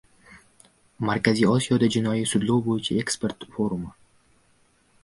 Markaziy Osiyoda jinoiy sudlov bo‘yicha ekspert forumi